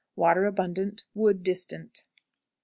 Water abundant; wood distant. 20.